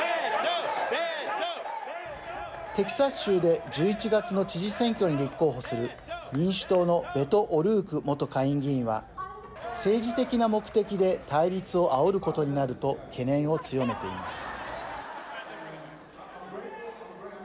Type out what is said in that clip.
テキサス州で１１月の知事選挙に立候補する民主党のベト・オルーク元下院議員は政治的な目的で対立をあおることになると懸念を強めています。